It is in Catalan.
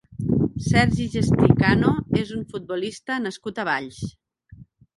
Sergi Gestí Cano és un futbolista nascut a Valls.